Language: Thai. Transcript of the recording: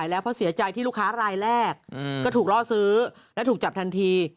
แล้วเพราะเสียใจที่ลูกค้ารายแรกก็ถูกล่อซื้อและถูกจับทันที